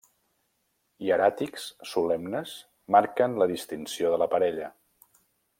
Hieràtics, solemnes, marquen la distinció de la parella.